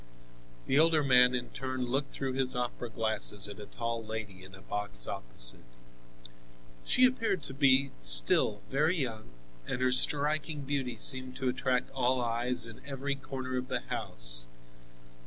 The older man in turn looked through his opera glasses at a tall lady in a box opposite. She appeared to be still very young, and her striking beauty seemed to attract all eyes in every corner of the house.